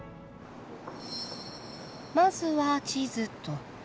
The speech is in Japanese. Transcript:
まずは地図と。